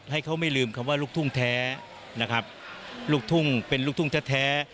ให้เขาไม่ลืมคำว่าลูกทุ่งแท้นะครับลูกทุ่งเป็นลูกทุ่งแท้